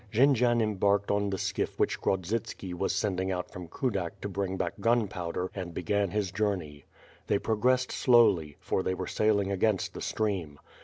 Jendzian embarked on the skiff which Grodzitski was send ing out from Kudak to bring back gunpowder, and began his journey. They progressed slowly, for they were sailing against the stream.